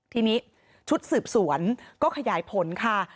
ทีนี้ชุดสืบสวนก็ขยายผลค่ะ